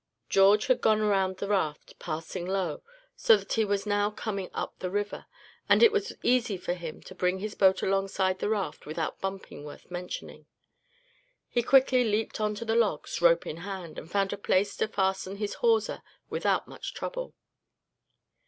George had gone around the raft, passing below, so that he was now coming up the river, and it was easy for him to bring his boat alongside the raft without any bumping worth mentioning. He quickly leaped on to the logs, rope in hand, and found a place to fasten his hawser without much trouble.